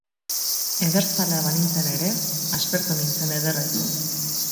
Ederzalea banintzen ere, aspertu nintzen ederrez.